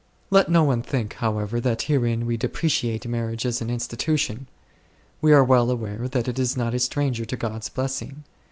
Let no one think however that herein we depreciate marriage as an institution. We are well aware that it is not a stranger to God's blessing.